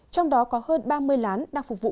trong đó có hơn ba mươi lán đang phục vụ